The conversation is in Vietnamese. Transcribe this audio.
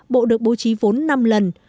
bộ được bố trí vốn năm lần